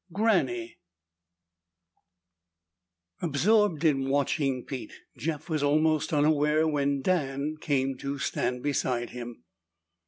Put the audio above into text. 7. GRANNY Absorbed in watching Pete, Jeff was almost unaware when Dan came to stand beside him.